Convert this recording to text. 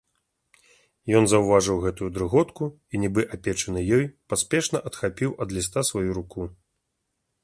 Ён заўважыў гэту дрыготку і, нібы апечаны ёй, паспешна адхапіў ад ліста сваю руку.